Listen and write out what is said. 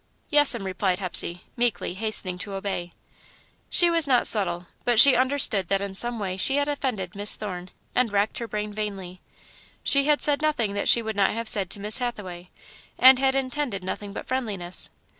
"Yes'm," replied Hepsey, meekly, hastening to obey. She was not subtle, but she understood that in some way she had offended Miss Thorne, and racked her brain vainly. She had said nothing that she would not have said to Miss Hathaway, and had intended nothing but friendliness.